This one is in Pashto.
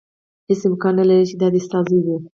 هېڅ امکان نه لري چې دا دې ستا زوی وي.